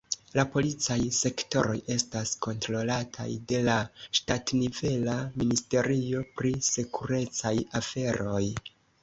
La policaj sektoroj estas kontrolataj de la ŝtatnivela ministerio pri sekurecaj aferoj.